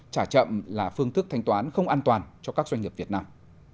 trả chậm là phương thức thanh toán không an toàn cho các doanh nghiệp việt nam